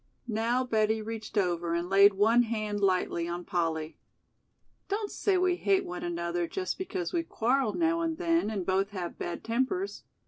Now Betty reached over and laid one and lightly on Polly. "Don't say we hate no another just because we quarrel now and then and both have bad tempers.